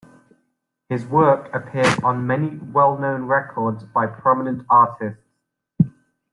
His work appears on many well-known records by prominent artists.